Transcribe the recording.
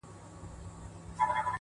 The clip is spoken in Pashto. ټولو انجونو تې ويل گودر كي هغي انجــلـۍ؛